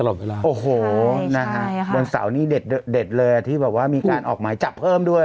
โอ้โหบนเสานี้เด็ดเลยที่มีการออกหมายจักเพิ่มด้วย